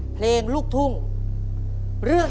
เพลงลูกทุ่ง